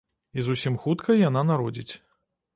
І зусім хутка яна народзіць.